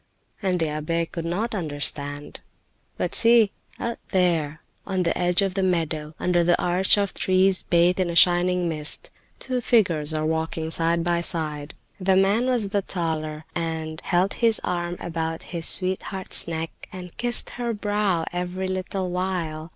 And the abbe could not understand. But see, out there, on the edge of the meadow, under the arch of trees bathed in a shining mist, two figures are walking side by side. The man was the taller, and held his arm about his sweetheart's neck and kissed her brow every little while.